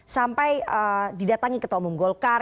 sampai didatangi ketua umum golkar